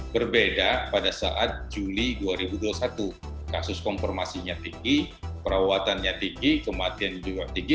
berbeda pada saat juli dua ribu dua puluh satu kasus konfirmasinya tinggi perawatannya tinggi kematian juga tinggi